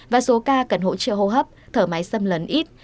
và số ca cần hỗ trợ hô hấp thở máy xâm lấn ít